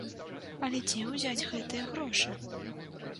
Але дзе ўзяць гэтыя грошы?